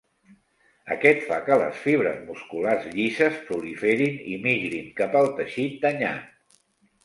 Aquest fa que les fibres musculars llises proliferin i migrin cap al teixit danyat.